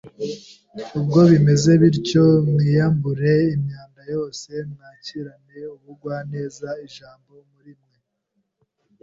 Ubwo bimeze bityo, mwiyambure imyanda yose mwakirane ubugwaneza ijambo muri mwe